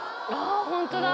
ホントだ。